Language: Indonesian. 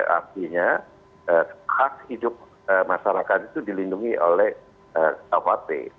artinya hak hidup masyarakat itu dilindungi oleh kuhp